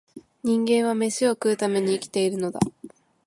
人間は、めしを食うために生きているのだ